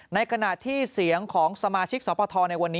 ในขณะที่เสียงของสมาชิกสปทในวันนี้